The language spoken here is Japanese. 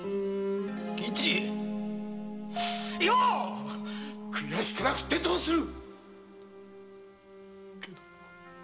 銀次悔しくなくってどうする。